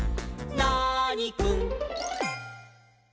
ナーニくん」